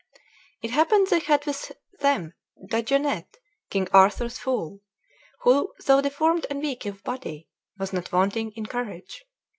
It happened they had with them Daguenet, King Arthur's fool, who, though deformed and weak of body, was not wanting in courage.